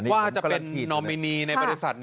ว่าจะเป็นนอมินีในบริษัท